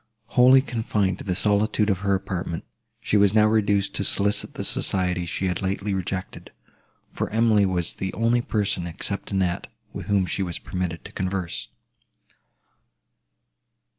Wholly confined to the solitude of her apartment, she was now reduced to solicit the society she had lately rejected; for Emily was the only person, except Annette, with whom she was permitted to converse.